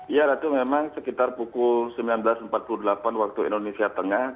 ya ratu memang sekitar pukul sembilan belas empat puluh delapan waktu indonesia tengah